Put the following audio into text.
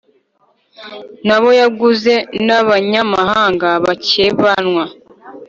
n abo yaguze n abanyamahanga bakebanwa